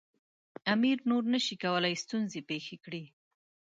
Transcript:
امیر نور نه شي کولای ستونزې پېښې کړي.